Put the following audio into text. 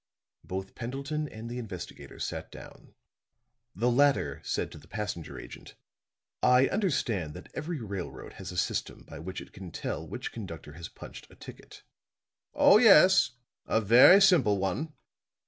Both Pendleton and the investigator sat down. The latter said to the passenger agent: "I understand that every railroad has a system by which it can tell which conductor has punched a ticket." "Oh, yes. A very simple one.